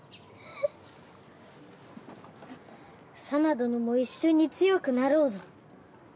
どのも一緒に強くなろうぞ。